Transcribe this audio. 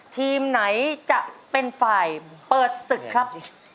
ทีมไหนจะเป็นฝ่ายเปิดศึกครับ